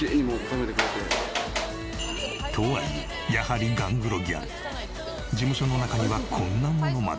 とはいえやはりガングロギャル事務所の中にはこんなものまで。